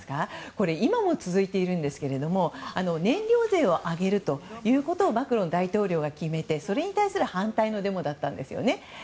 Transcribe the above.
これ、今も続いているんですけど燃料税を上げるということをマクロン大統領が決めてそれに対する反対のデモだったんですよね。